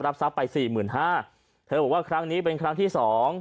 รับทรัพย์ไป๔๕๐๐๐เธอบอกว่าครั้งนี้เป็นครั้งที่สอง